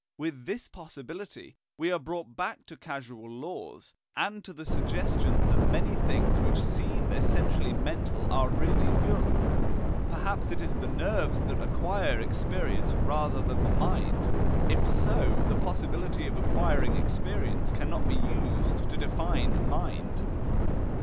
With this possibility, we are brought back to causal laws, and to the suggestion that many things which seem essentially mental are really neural. Perhaps it is the nerves that acquire experience rather than the mind. If so, the possibility of acquiring experience cannot be used to define mind.